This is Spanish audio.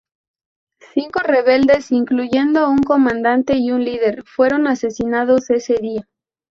Cinco rebeldes, incluyendo un comandante y un líder, fueron asesinados ese día.